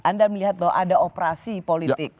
anda melihat bahwa ada operasi politik